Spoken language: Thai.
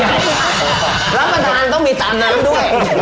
รับประทานต้องมีตามน้ำด้วย